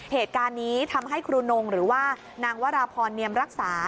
เหตุการณ์นี้ทำให้ครูนงหรือว่านางวราพรเนียมรักษา